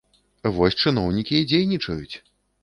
Вось чыноўнікі і дзейнічаюць!